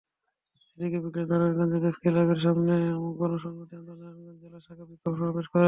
এদিকে বিকেলে নারায়ণগঞ্জ প্রেসক্লাবের সামনে গণসংহতি আন্দোলন নারায়ণগঞ্জ জেলা শাখা বিক্ষোভ সমাবেশ করে।